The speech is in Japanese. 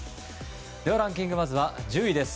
ではランキングまずは１０位です。